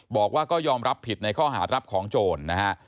บอกว่าก็ยอมรับผิดในข้อหารับของโจรนะฮะ